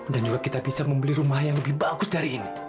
dan juga kita bisa membeli rumah yang lebih bagus dari ini